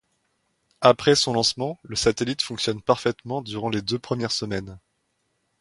Après son lancement le satellite fonctionne parfaitement durant les deux premières semaines.